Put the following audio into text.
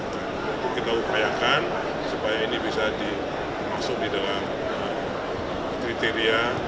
kita upayakan supaya ini bisa dimaksud di dalam kriteria